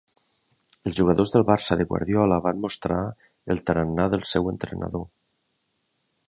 Els jugadors del Barça de Guardiola van mostrar el tarannà del seu entrenador.